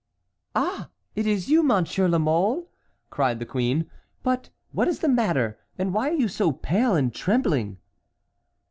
"Ah! it is you, Monsieur la Mole!" cried the queen; "but what is the matter, and why are you so pale and trembling?"